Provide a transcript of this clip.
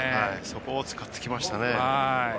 そこを使ってきましたね。